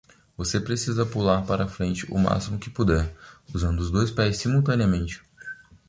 Você precisa pular para frente o máximo que puder, usando os dois pés simultaneamente.